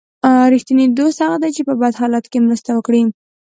رښتینی دوست هغه دی چې په بد حال کې مرسته وکړي.